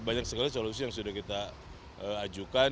banyak sekali solusi yang sudah kita ajukan